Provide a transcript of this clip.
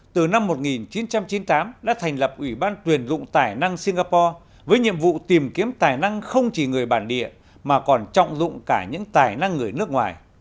từ năm một nghìn chín trăm chín mươi tám đã thành lập ủy ban tuyển dụng tài năng singapore với nhiệm vụ tìm kiếm tài năng không chỉ người bản địa mà còn trọng dụng cả những tài năng người nước ngoài